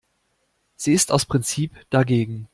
Sie ist aus Prinzip dagegen.